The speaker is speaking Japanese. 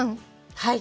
はい。